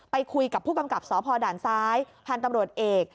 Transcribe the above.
ไปคุยกับผู้กำกับสภดซพันธ์ตำรวจเอก